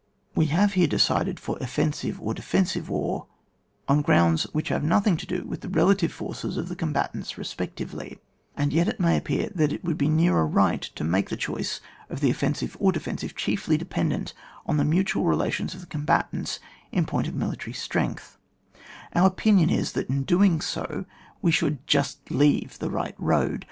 We have here decided for offensive or defensive war on grounds which have nothing to do with the relative forces of the combatants respectively, and yet it may appear that it would be nearer right to make the choice of the offensive or defensive chiefly dependent on the mutual relations of combatants in point of mili tary strong^; our opinion is, that in doing so we should just leave the right road.